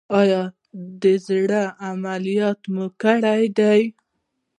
ایا د زړه عملیات مو کړی دی؟